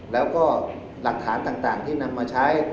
แล้วก็หลักฐานต่างที่นำมาใช้